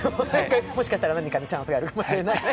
もしかしたら何かのチャンスがあるかもしれない。